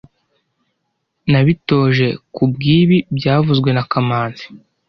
Nabitoje kubwibi byavuzwe na kamanzi